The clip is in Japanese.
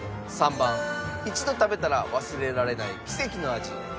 ３番一度食べたら忘れられない奇跡の味